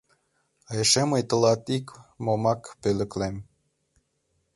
А эше мый тылат ик-момак пӧлеклем…